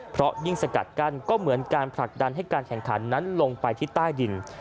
เพราะยิ่งสกัดกั้นก็เหมือนการผลักดันให้การแข่งขันนั้นลงไปที่ใต้ดิน